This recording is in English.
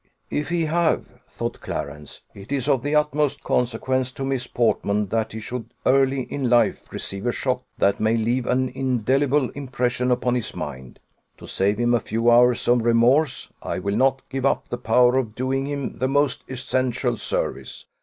"If he have," thought Clarence, "it is of the utmost consequence to Miss Portman that he should early in life receive a shock that may leave an indelible impression upon his mind. To save him a few hours of remorse, I will not give up the power of doing him the most essential service.